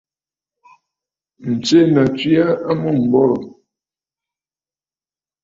Ǹtsena tswe aa amûm m̀borǝ̀.